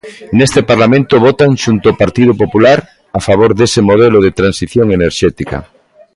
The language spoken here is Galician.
Neste Parlamento votan xunto ao Partido Popular a favor dese modelo de transición enerxética.